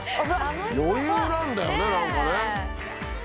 余裕なんだよね何かね。